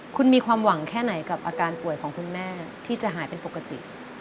คุณมีความหวังแค่ไหนกับอาการป่วยของคุณแม่ที่จะหายเป็นปกติ